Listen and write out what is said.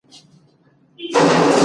د رنځور نرګس لپاره هم کارېږي